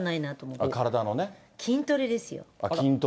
筋トレですよ。